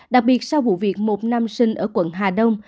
đặc biệt sau vụ việc một nam sinh ở quận hà đông